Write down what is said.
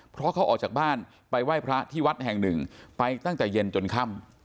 เพราะเขาออกจากบ้านไปไหว้พระที่วัดแห่งหนึ่งไปตั้งแต่เย็นจนค่ำ